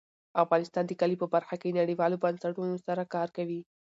افغانستان د کلي په برخه کې نړیوالو بنسټونو سره کار کوي.